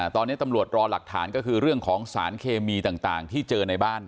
ตอนนี้ตำรวจรอหลักฐานก็คือเรื่องของสารเคมีต่างที่เจอในบ้าน